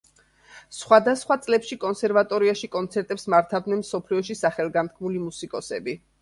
სხვადასხვა წლებში კონსერვატორიაში კონცერტებს მართავდნენ მსოფლიოში სახელგანთქმული მუსიკოსები.